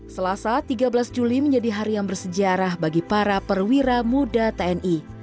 selasa tiga belas juli menjadi hari yang bersejarah bagi para perwira muda tni